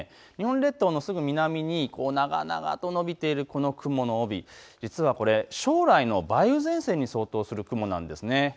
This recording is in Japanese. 日本列島のすぐ南に長々と延びているこの雲の帯、実ははこれ将来の梅雨前線に相当する雲なんです。